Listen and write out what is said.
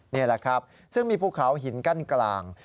นี่แหละครับซึ่งมีภูเขาหินกั้นกลาง